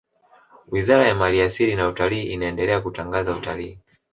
wizara ya mali asili na utalii inaendelea kutangaza utalii